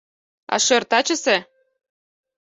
А шӧр тачысе?